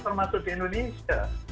termasuk di indonesia